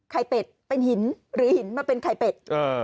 เป็ดเป็นหินหรือหินมาเป็นไข่เป็ด